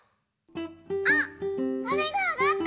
あっあめがあがった！